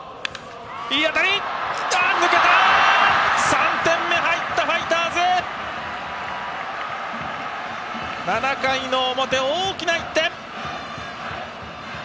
３点目が入ったファイターズ！７回の表、大きな１点！